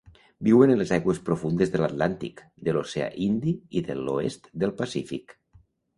Viuen en les aigües profundes de l'Atlàntic, de l'oceà Indi i de l'Oest del Pacífic.